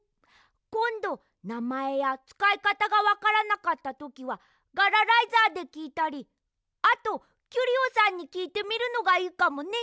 こんどなまえやつかいかたがわからなかったときはガラライザーできいたりあとキュリオさんにきいてみるのがいいかもね。